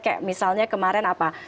kayak misalnya kemarin apa